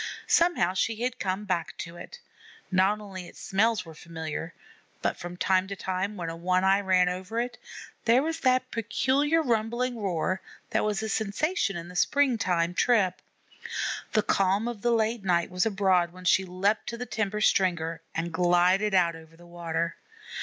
Somehow she had to come back to it; not only its smells were familiar, but from time to time, when a One eye ran over it, there was that peculiar rumbling roar that was a sensation in the springtime trip. The calm of the late night was abroad when she leaped to the timber stringer and glided out over the water.